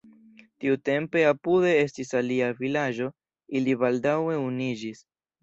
Tiutempe apude estis alia vilaĝo, ili baldaŭe unuiĝis.